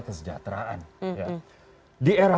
kesejahteraan di era